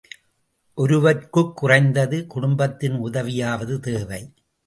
ஒருவர்க்குக் குறைந்தது குடும்பத்தின் உதவியாவது தேவை.